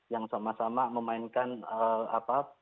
yang sama sama memainkan apa